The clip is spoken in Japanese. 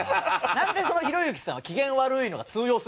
なんでそんなひろゆきさんは機嫌悪いのが通用するの？